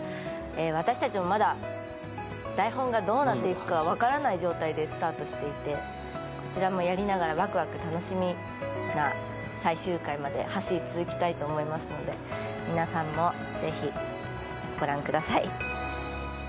私たちもまだ台本がどうなっていくかは分からない状態でスタートしていてこちらもやりながらワクワク楽しみな、最終回まで走り続けたいと思いますので皆さんもぜひ御覧ください。